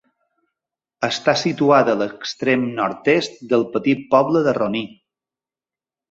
Està situada a l'extrem nord-est del petit poble de Roní.